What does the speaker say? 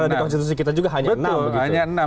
di konstitusi kita juga hanya enam